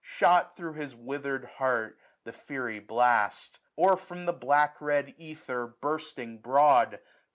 Shot through his witherM heart, the fiery blast. Or from the black red ether, bursting broad.